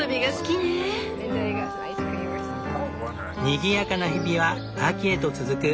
にぎやかな日々は秋へと続く。